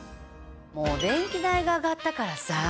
もう電気代が上がったからさ。